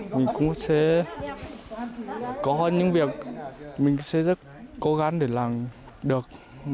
mình cũng sẽ có hơn những việc mình sẽ rất cố gắng để làm được